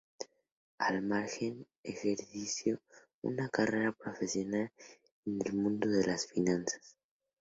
Al margen, ejerció una carrera profesional en el mundo de las finanzas.